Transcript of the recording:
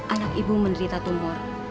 anak ibu menderita tumor